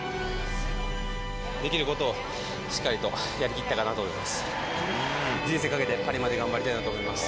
できることをしっかりとやりきったかなと思います。